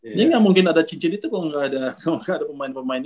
jadi gak mungkin ada cincin itu kalau gak ada pemain pemain